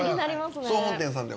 総本店さんでは？